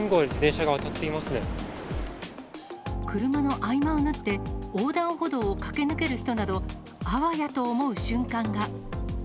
車の合間を縫って、横断歩道を駆け抜ける人など、あわやと思う瞬間が。